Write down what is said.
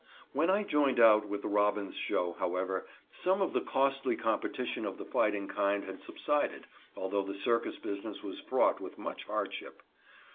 When I joined out with the Robbins show, however, some of the costly competition of the fighting kind had subsided, although the circus business was fraught with much hardship.